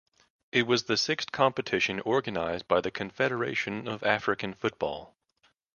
It was the sixth competition organised by the Confederation of African Football.